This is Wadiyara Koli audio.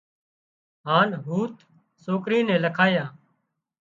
هانَ هوٿ سوڪرِي نين لکايان